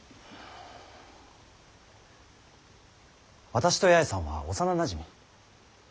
私と八重さんは幼なじみ。